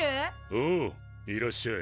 おういらっしゃい。